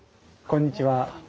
こんにちは。